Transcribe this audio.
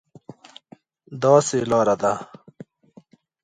داسې لار ده،